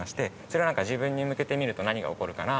それを自分に向けてみると何が起こるかな？